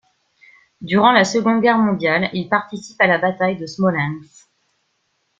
Durant la Seconde Guerre mondiale il participe à la bataille de Smolensk.